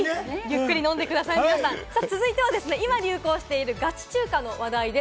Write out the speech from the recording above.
続いては今、流行しているガチ中華の話題です。